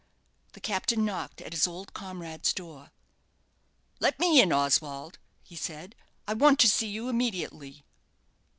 The captain knocked at his old comrade's door. "Let me in, Oswald" he said; "I want to see you immediately."